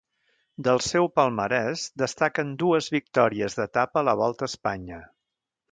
Del seu palmarès destaquen dues victòries d'etapa a la Volta a Espanya.